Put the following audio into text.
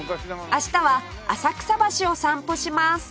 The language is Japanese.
明日は浅草橋を散歩します